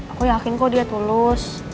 aku yakin kok dia tulus